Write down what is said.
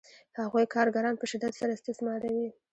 هغوی کارګران په شدت سره استثماروي